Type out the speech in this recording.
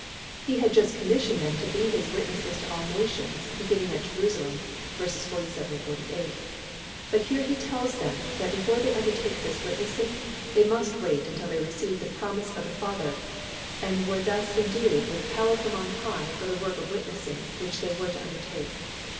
He had just commissioned them to be His witnesses to all nations, beginning at Jerusalem (vs. 47, 48), but He here tells them that before they undertake this witnessing, they must wait until they receive the promise of the Father, and were thus endued with power from on high for the work of witnessing which they were to undertake.